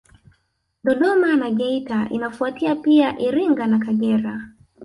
Dodoma na Geita inafuatia pia Iringa na Kagera